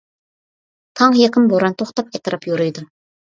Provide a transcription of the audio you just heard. تاڭغا يېقىن بوران توختاپ ئەتراپ يورۇيدۇ.